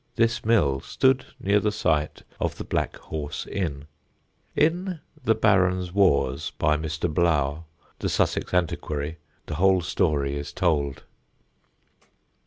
This mill stood near the site of the Black Horse inn. In The Barons' Wars, by Mr. Blaauw, the Sussex antiquary, the whole story is told.